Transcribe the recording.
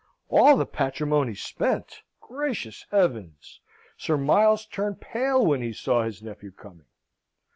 All the patrimony spent! Gracious heavens! Sir Miles turned pale when he saw his nephew coming.